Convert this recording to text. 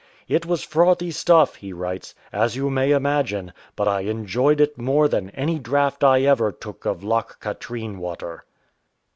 "It was frothy stuff,"" he writes, "as you may imagine; but I enjoyed it more than any draught I ever took of Loch Katrine water."